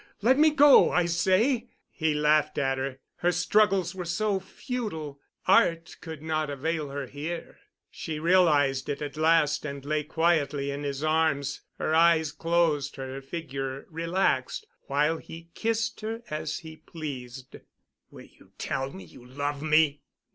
Let me go, I say!" He laughed at her. Her struggles were so futile. Art could not avail her here. She realized it at last and lay quietly in his arms, her eyes closed, her figure relaxed, while he kissed her as he pleased. "Will you tell me you love me?"